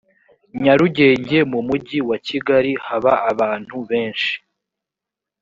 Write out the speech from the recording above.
nyarugenge mu mujyi wa kigali haba abantu benshi